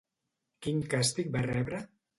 Quin càstig va rebre?